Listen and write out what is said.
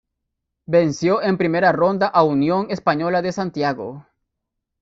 Venció en primera ronda a Unión Española de Santiago.